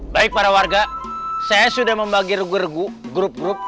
baik para warga saya sudah membagi rugu regu grup grup